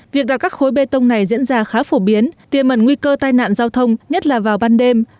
việc đặt các khối bê tông này diễn ra khá phổ biến tiềm mẩn nguy cơ tai nạn giao thông nhất là vào ban đêm